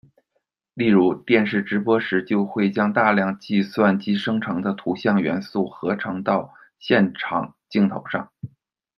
例如，电视直播时就会将大量计算机生成的图像元素合成到现场镜头上。